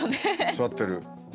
座ってる。